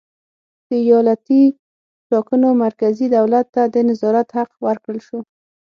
پر ایالتي ټاکنو مرکزي دولت ته د نظارت حق ورکړل شو.